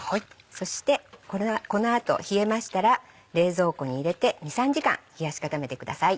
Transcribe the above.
そしてこの後冷えましたら冷蔵庫に入れて２３時間冷やし固めてください。